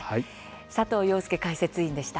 佐藤庸介解説委員でした。